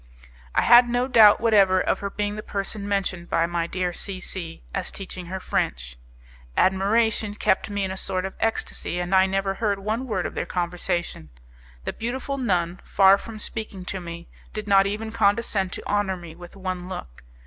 I had no doubt whatever of her being the person mentioned by my dear C C as teaching her French. Admiration kept me in a sort of ecstacy, and I never heard one word of their conversation; the beautiful nun, far from speaking to me, did not even condescend to honour me with one look.